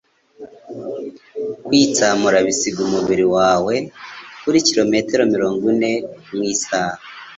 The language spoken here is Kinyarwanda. Kwitsamura bisiga umubiri wawe kuri kilometero mirongo ine mu isaha.